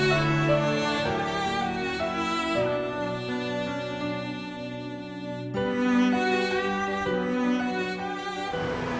aku mau berjalan